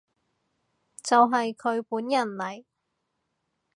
就係佢本人嚟